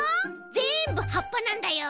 ぜんぶはっぱなんだよ。